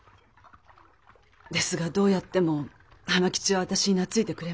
ですがどうやっても浜吉は私に懐いてくれません。